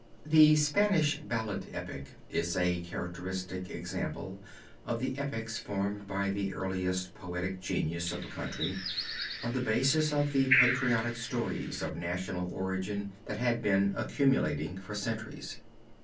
The Spanish ballad epic is a characteristic example of the epics formed by the earliest poetic genius of a country, on the basis of the patriotic stories of national origin that had been accumulating for centuries.